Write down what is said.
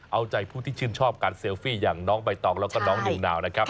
เอาใจผู้ที่ชื่นชอบการเซลฟี่อย่างน้องใบตองแล้วก็น้องนิวนาวนะครับ